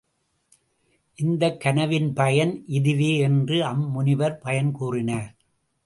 இந்தக் கனவின் பயன் இதுவே என்று அம் முனிவர் பயன் கூறினார்.